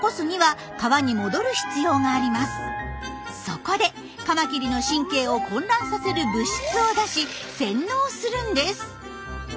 そこでカマキリの神経を混乱させる物質を出し洗脳するんです。